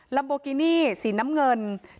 ลัมโบกินี่สีน้ำเงิน